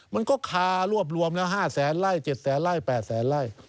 มันก็คารวบรวมแล้ว๕แสนไล่๗๐๐ไร่๘แสนไล่